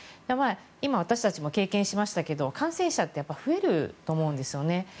今、私たちも経験しましたが感染者ってやっぱり増えると思うんですね。